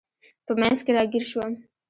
په منځ کې راګیر شوم.